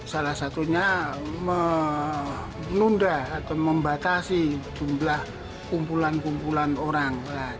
salah satunya menunda atau membatasi jumlah kumpulan kumpulan orang